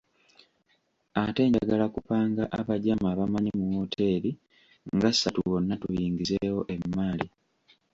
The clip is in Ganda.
Ate njagala kupanga abajama abamanyi mu wooteeri nga ssatu wonna tuyingizeewo emmaali.